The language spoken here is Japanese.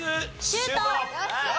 シュート！